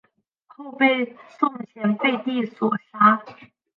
后被宋前废帝所杀。